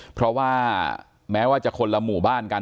เพราะว่าแม้ว่าจะคนละหมู่บ้านกัน